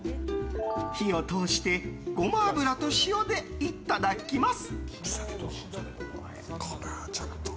火を通してゴマ油と塩でいただきます。